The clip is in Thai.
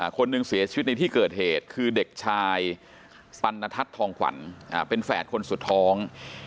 คนหนึ่งเสียชีวิตในที่เกิดเหตุคือเด็กชายปันนทัศน์ทองขวัญเป็นแฝดคนสุดท้อง